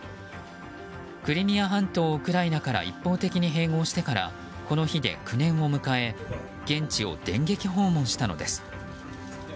クリミア半島をウクライナから一方的に併合してからこの日で９年を迎え現地を電撃訪問したのです。